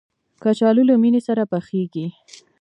کچالو له مېنې سره پخېږي